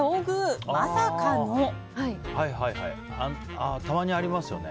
たまにありますよね。